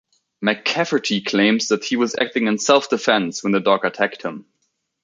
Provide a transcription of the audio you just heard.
McCafferty claims that he was acting in self-defense when the dog attacked him.